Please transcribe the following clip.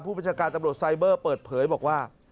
ผู้บริษัทการบริษัทบริษัทไซเบอร์เปิดเผยบอกว่า